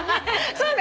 そうね。